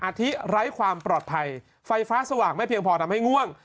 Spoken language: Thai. อาทิไร้ความปลอดภัยไฟฟ้าสว่างไม่เพียงพอทำให้ง่วง